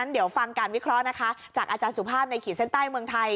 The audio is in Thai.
เดี๋ยวฟังการวิเคราะห์นะคะจากอาจารย์สุภาพในขีดเส้นใต้เมืองไทย